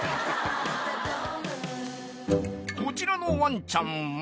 ［こちらのワンちゃんは］